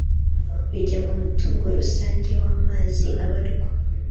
bijya mu mutungo rusange w amazi abarwa